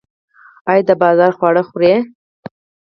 ایا د بازار خواړه خورئ؟